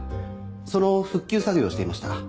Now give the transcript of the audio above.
その復旧作業をしていました。